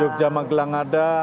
jogja magelang ada